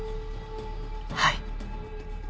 はい。